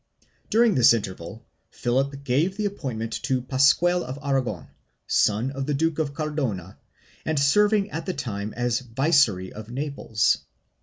During this interval, Philip gave the appointment to Pascual of Aragon, son of the Duke of Cardona and serving at the time as Viceroy of Naples.